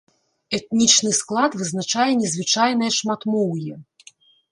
Этнічны склад вызначае незвычайнае шматмоўе.